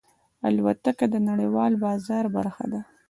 الوتکه د نړیوال بازار برخه ده.